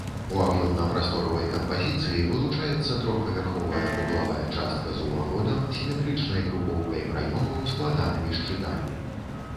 У аб'ёмна-прасторавай кампазіцыі вылучаецца трохпавярховая вуглавая частка з уваходам, сіметрычнай групоўкай праёмаў, складанымі шчытамі.